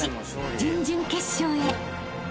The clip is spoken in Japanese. ［準々決勝へ］